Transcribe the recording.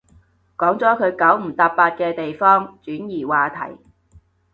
講咗佢九唔搭八嘅地方，轉移話題